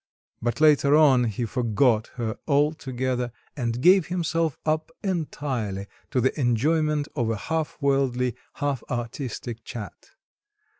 But later on he forgot her altogether, and gave himself up entirely to the enjoyment of a half worldly, half artistic chat.